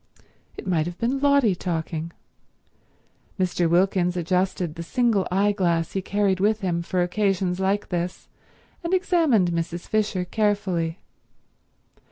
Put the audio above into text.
It might have been Lotty talking. Mr. Wilkins adjusted the single eyeglass he carried with him for occasions like this, and examined Mrs. Fisher carefully.